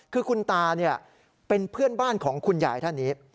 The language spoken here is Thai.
คือคุณตาเป็นเพื่อนบ้านของคุณยายท่านนี้